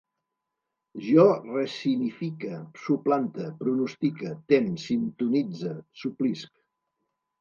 Jo resinifique, suplante, pronostique, tem, sintonitze, suplisc